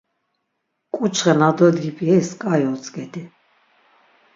K̆uçxe na dodgip yeris k̆ai otzk̆edi.